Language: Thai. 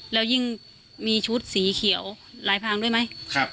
แล้วยิ่งมีชุดสีเขียวลายพางด้วยไหม